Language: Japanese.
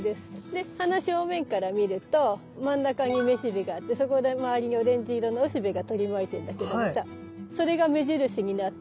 で花正面から見ると真ん中にめしべがあってそこの周りにオレンジ色のおしべが取り巻いてるんだけどもさそれが目印になって。